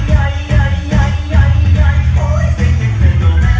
อยากให้จริงของแกจะจดยอด